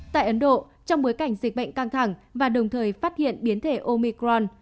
tại ấn độ trong bối cảnh dịch bệnh căng thẳng và đồng thời phát hiện biến thể omicron